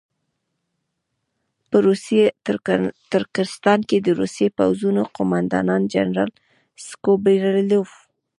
په روسي ترکستان کې د روسي پوځونو قوماندان جنرال سکوبیلروف.